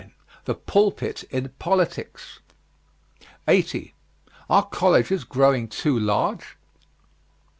THE PULPIT IN POLITICS. 80. ARE COLLEGES GROWING TOO LARGE?